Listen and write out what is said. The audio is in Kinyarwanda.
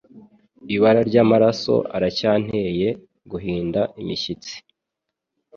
ibara ryamaraso aracyanteye guhinda umushyitsi